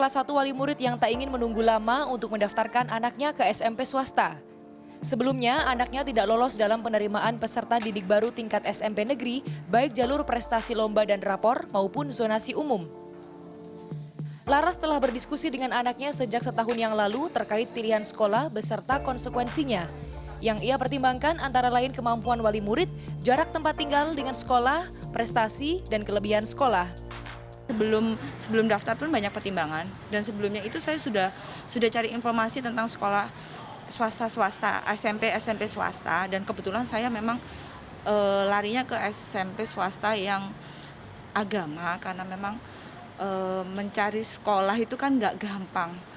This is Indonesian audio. sebelum daftar pun banyak pertimbangan dan sebelumnya itu saya sudah cari informasi tentang sekolah swasta swasta smp smp swasta dan kebetulan saya memang larinya ke smp swasta yang agama karena memang mencari sekolah itu kan gak gampang